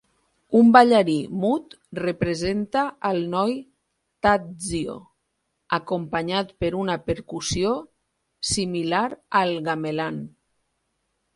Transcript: Un ballarí mut representa al noi Tadzio, acompanyat per una percussió similar al gamelan.